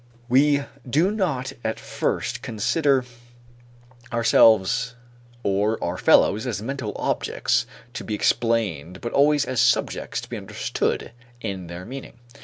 We do not at first consider ourselves or our fellows as mental objects to be explained but always as subjects to be understood in their meaning.